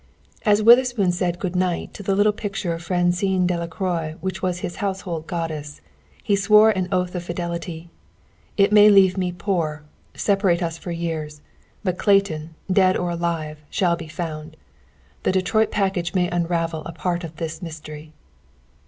As Witherspoon said "Good night" to the little picture of Francine Delacroix, which was his household goddess, he swore an oath of fidelity. "It may leave me poor, separate us for years; but Clayton, dead or alive, shall be found. The Detroit package may unravel a part of this mystery."